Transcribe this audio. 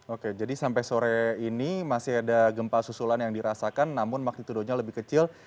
oke jadi sampai sore ini masih ada gempa susulan yang dirasakan namun magnitudonya lebih kecil